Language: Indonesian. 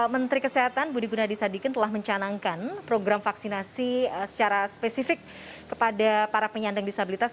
menteri kesehatan budi gunadisadikin telah mencanangkan program vaksinasi secara spesifik kepada para penyandang disabilitas